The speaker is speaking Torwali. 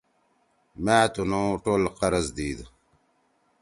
مأ تُنُو ٹول قرض دیِد۔